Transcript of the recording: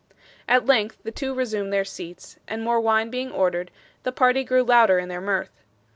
At length the two resumed their seats, and more wine being ordered, the party grew louder in their mirth.